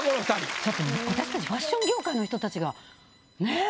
ちょっと私たちファッション業界の人たちがねぇ。